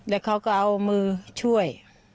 แล้วเขาก็เอามือช่วย